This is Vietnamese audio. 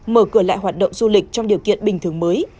mở cửa lại hoạt động du lịch trong điều kiện bình thường mới